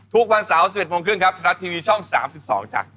ทุกวัน๑๑โมงเครื่องครับทะลัดทีวีช่อง๓๒จัง